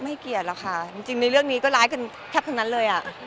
เกลียดหรอกค่ะจริงในเรื่องนี้ก็ร้ายกันแทบทั้งนั้นเลยอ่ะ